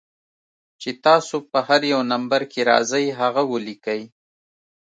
چې تاسو پۀ هر يو نمبر کښې راځئ هغه وليکئ